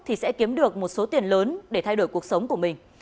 thì sẽ kiếm được một số tiền lớn để thay đổi cuộc sống của mình